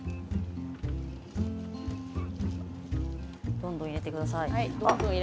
どんどん入れてください。